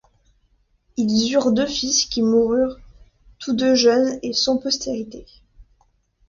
Ils eurent deux fils qui moururent tous deux jeunes et sans postérité.